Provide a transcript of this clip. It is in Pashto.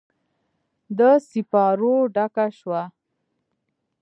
د سیپارو ډکه شوه